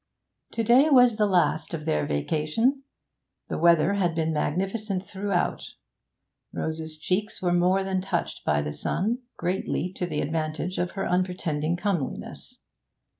To day was the last of their vacation. The weather had been magnificent throughout; Rose's cheeks were more than touched by the sun, greatly to the advantage of her unpretending comeliness.